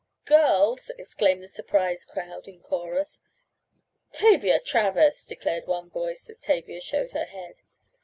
"Girls!" exclaimed the surprised crowd in chorus. "Tavia Travers!" declared one voice, as Tavia showed her head.